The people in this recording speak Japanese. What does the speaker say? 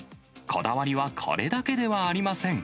こだわりは、これだけではありません。